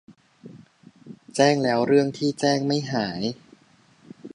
แจ้งแล้วเรื่องที่แจ้งไม่หาย